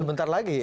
sebentar lagi ya